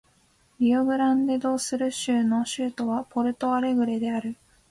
リオグランデ・ド・スル州の州都はポルト・アレグレである